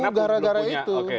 ganggu gara gara itu